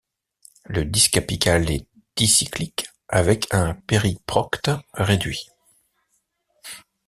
Le disque apical est dicyclique, avec un périprocte réduit.